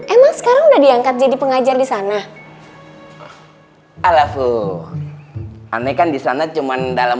emang sekarang udah diangkat jadi pengajar di sana alhamdulillah kan di sana cuman dalam